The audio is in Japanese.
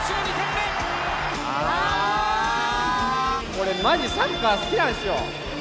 俺マジサッカー好きなんすよ。